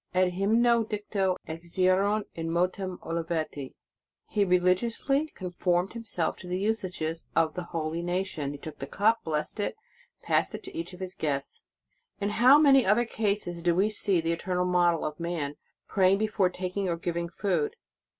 Et hymno dicto exierunt in montem Oliveti? He religiously conformed Himself to the usages of the holy nation. He took the cup, blessed it, and passed it to each of the guests.* In how many other cases do we see the Eternal Model of man, praying before taking or giving food!